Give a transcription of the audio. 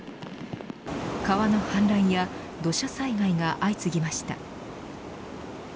川の氾濫や土砂災害が相次ぎました。